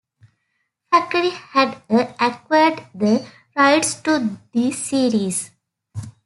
Factory had acquired the rights to the series.